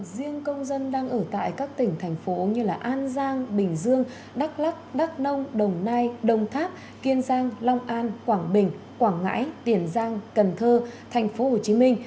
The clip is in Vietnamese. riêng công dân đang ở tại các tỉnh thành phố như an giang bình dương đắk lắc đắk nông đồng nai đồng tháp kiên giang long an quảng bình quảng ngãi tiền giang cần thơ tp hcm